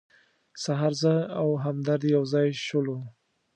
سهار زه او همدرد یو ځای شولو.